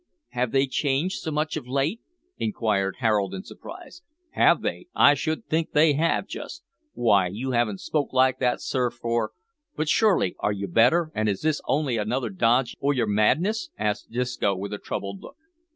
"Have they changed so much of late?" inquired Harold in surprise. "Have they? I should think they have, just. W'y, you haven't spoke like that, sir, for but, surely are you better, or is this on'y another dodge o' yer madness?" asked Disco with a troubled look.